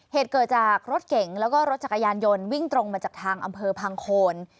เหตุเกิดจากรถเก่งแล้วก็รถจักรยานยนต์วิ่งตรงมาจากทางอำเภอพังโคน